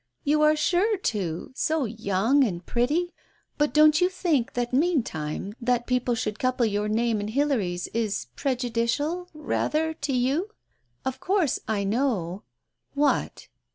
"You are sure to — so young and pretty. But don't you think, that meantime, that people should couple your name and Hilary's is prejudicial — rather to you? Of course, I know " "What?"